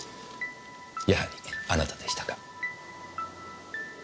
やはりあなたでしたか。